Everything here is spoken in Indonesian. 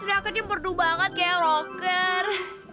eh teriakannya merdu banget kayak rocker